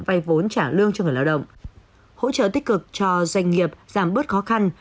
vay vốn trả lương cho người lao động hỗ trợ tích cực cho doanh nghiệp giảm bớt khó khăn